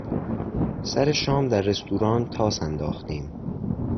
سر شام در رستوران تاس انداختیم.